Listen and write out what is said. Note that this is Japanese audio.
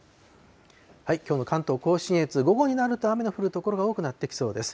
きょうの関東甲信越、午後になると雨の降る所が多くなってきそうです。